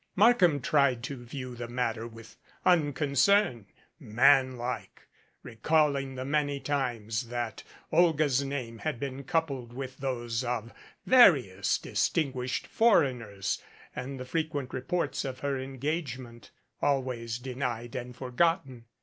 Markham tried to view the matter with uncon cern, man like, recalling the many times that Olga's name had been coupled with those of various distinguished for eigners and the frequent reports of her engagement, al ways denied and forgotten.